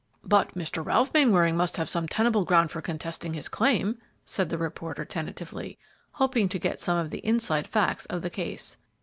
"But Mr. Ralph Mainwaring must have some tenable ground for contesting his claim," said the reporter, tentatively, hoping to get some of the inside facts of the case.